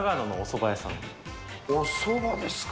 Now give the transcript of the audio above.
おそばですか。